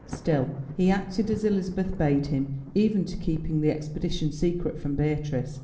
Still he acted as Elizabeth bade him, even to keeping the expedition secret from Beatrice.